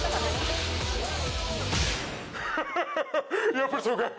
やっぱりそうか！